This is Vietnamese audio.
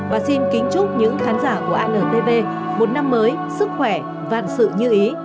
và xin kính chúc những khán giả của antv một năm mới sức khỏe văn sự như ý